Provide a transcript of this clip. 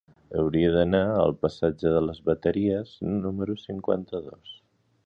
Hauria d'anar al passatge de les Bateries número cinquanta-dos.